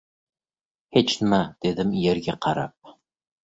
— Hech nima, — dedim yerga qarab.